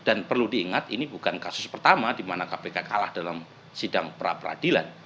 dan perlu diingat ini bukan kasus pertama di mana kpk kalah dalam sidang pra peradilan